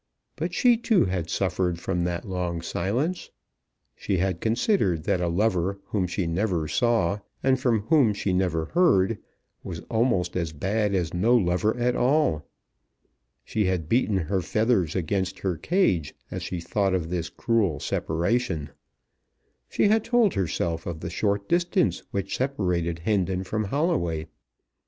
But she too had suffered from that long silence. She had considered that a lover whom she never saw, and from whom she never heard, was almost as bad as no lover at all. She had beaten her feathers against her cage, as she thought of this cruel separation. She had told herself of the short distance which separated Hendon from Holloway.